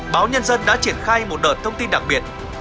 báo nhân dân đã triển khai một đợt thông tin đặc biệt